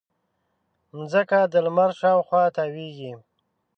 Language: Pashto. مځکه د لمر شاوخوا تاوېږي.